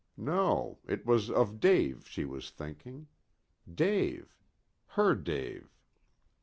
No, it was of Dave she was thinking. Dave her Dave.